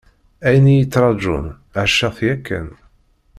Ayen i y-ittrajun, ɛaceɣ-t yakan.